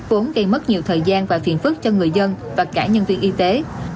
vốn gây mất nhiều thời gian và phiền phức cho người dân và cả nhân viên y tế